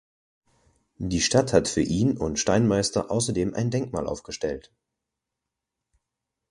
Die Stadt hat für ihn und Steinmeister außerdem ein Denkmal aufgestellt.